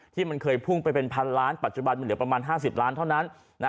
ที่มันเคยพุ่งไปเป็นพันล้านปัจจุบันมันเหลือประมาณ๕๐ล้านเท่านั้น